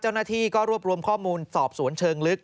เจ้าหน้าที่ก็รวบรวมข้อมูลสอบสวนเชิงลึก